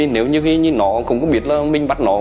nếu như nó không biết mình bắt nó